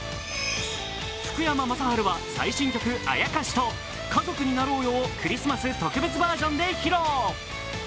福山雅治は最新曲「妖」と「家族になろうよ」をクリスマス特別バージョンで披露。